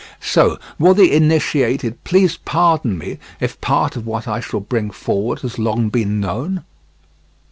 So, will the initiated please pardon me, if part of what I shall bring forward has long been known?